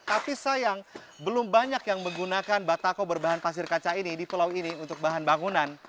tapi sayang belum banyak yang menggunakan batako berbahan pasir kaca ini di pulau ini untuk bahan bangunan